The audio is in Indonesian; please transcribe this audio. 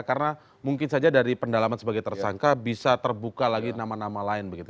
karena mungkin saja dari pendalaman sebagai tersangka bisa terbuka lagi nama nama lain begitu